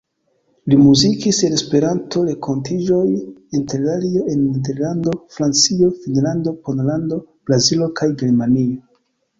Li muzikis en Esperanto-renkontiĝoj interalie en Nederlando, Francio, Finnlando, Pollando, Brazilo kaj Germanio.